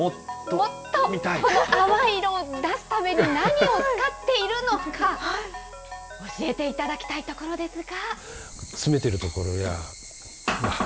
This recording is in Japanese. この淡い色を出すために何を使っているのか、教えていただきたいところですが。